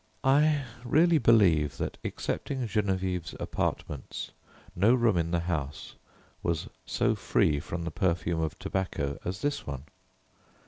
I really believe that, excepting Geneviève's apartments, no room in the house was so free from the perfume of tobacco as this one.